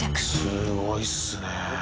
すごいっすね。